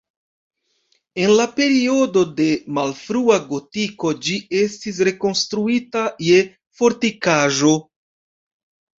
En la periodo de malfrua gotiko ĝi estis rekonstruita je fortikaĵo.